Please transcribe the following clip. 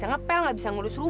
nggak tunggu dulu